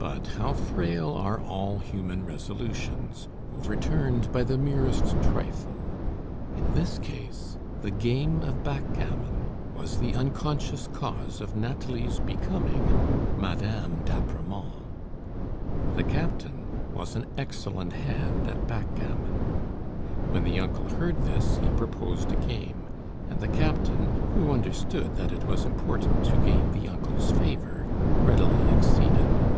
But how frail are all human resolutions overturned by the merest trifle! In this case, the game of backgammon was the unconscious cause of Nathalie's becoming Mme. d'Apremont. The captain was an excellent hand at backgammon. When the uncle heard this, he proposed a game; and the captain, who understood that it was important to gain the uncle's favor, readily acceded.